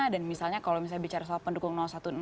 dan misalnya kalau misalnya bicara soal pendukung